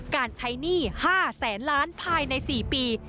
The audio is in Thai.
การใช้หนี้๕แสนล้านภายใน๔ปี